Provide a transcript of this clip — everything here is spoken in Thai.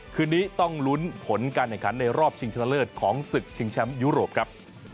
คืนนี้ต้องลุ้นผลการแข่งขันในรอบชิงชนะเลิศของศึกชิงแชมป์ยุโรปครับ